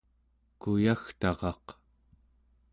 kuyagtaraq